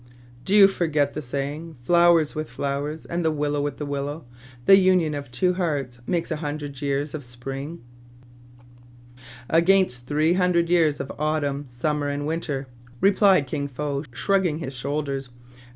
" Do you forget the saying, ' Flowers with flowers, and the willow with the willow : the union of two hearts makes a hundred years of spring *}"Against three hundred years of autumn, sum A SEBIOUS PROPOSITION. Sj mer, and winter," replied Kin Fo, shrugging his shoulders.